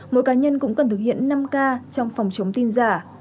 mỗi cá nhân cũng cần thực hiện năm k trong phòng chống tin giả